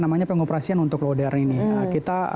ada dua cara pengoperasian untuk loader ini